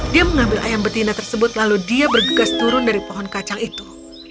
dia mengambil ayam betina tersebut lalu dia bergegas turun dari pohon kacang itu